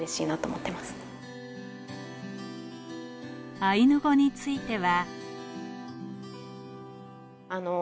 アイヌ語については。